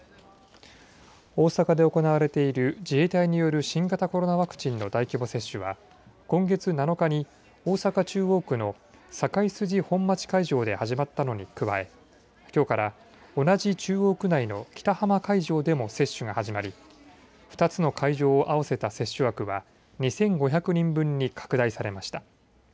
大阪で行われている自衛隊による新型コロナワクチンの大規模接種は今月７日に大阪中央区の堺筋本町会場で始まったのに加えきょうから同じ中央区内の北浜会場でも接種が始まり２つの会場を合わせた接種枠は２５００人分に拡大されました。